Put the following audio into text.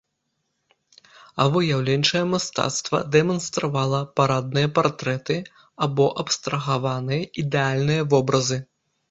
А выяўленчае мастацтва дэманстравала парадныя партрэты або абстрагаваныя, ідэальныя вобразы.